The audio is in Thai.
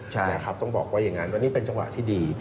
ใช่นะครับต้องบอกว่าอย่างนั้นวันนี้เป็นจังหวะที่ดี